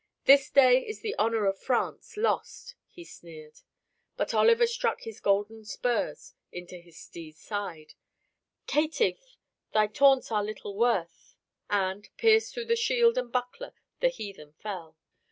"This day is the honor of France lost," he sneered. But Oliver struck his golden spurs into his steed's side! "Caitiff, thy taunts are little worth," he cried, and, pierced through shield and buckler, the heathen fell.